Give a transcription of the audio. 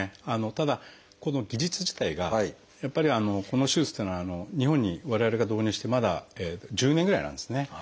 ただこの技術自体がやっぱりこの手術というのは日本に我々が導入してまだ１０年ぐらいなんですね。